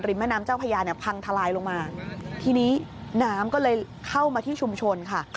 แม่น้ำเจ้าพญาเนี่ยพังทลายลงมาทีนี้น้ำก็เลยเข้ามาที่ชุมชนค่ะ